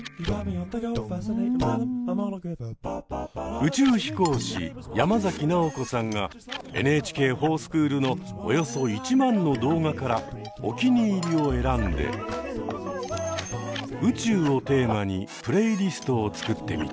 宇宙飛行士山崎直子さんが「ＮＨＫｆｏｒＳｃｈｏｏｌ」のおよそ１万の動画からおきにいりを選んで「宇宙」をテーマにプレイリストを作ってみた。